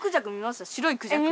白いクジャク。